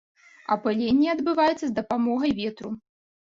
Апыленне адбываецца з дапамогай ветру.